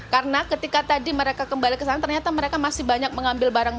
karena ketika tadi mereka kembali ke sana ternyata mereka masih banyak mengambil barang